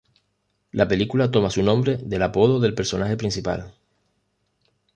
La película toma su nombre del apodo del personaje principal.